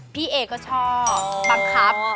พี่เอก็ชอบบังคับ